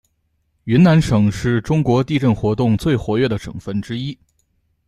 云南省是中国地震活动最活跃的省份之一。